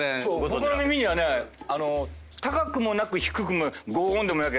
僕の耳にはね高くもなく低くもなくゴーンでもなきゃね